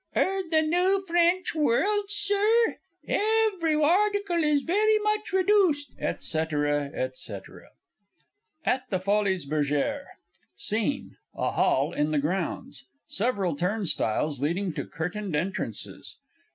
'Eard the noo French Worltz, Sir? every article is very much reduced, &c., &c. AT THE FOLIES BERGÈRE. SCENE _A hall in the grounds. Several turnstiles leading to curtained entrances.